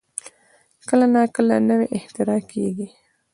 کله نا کله نوې اختراع کېږي.